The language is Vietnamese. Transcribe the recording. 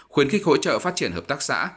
khuyến khích hỗ trợ phát triển hợp tác xã